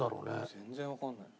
全然わかんない。